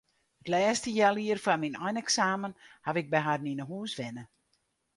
It lêste healjier foar myn eineksamen haw ik by harren yn 'e hûs wenne.